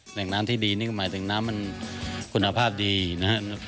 แหล่งน้ำที่ดีนี่ก็หมายถึงน้ำมันคุณภาพดีนะครับ